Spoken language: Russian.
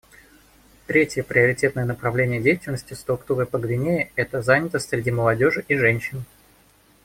Третье приоритетное направление деятельности Структуры по Гвинее — это занятость среди молодежи и женщин.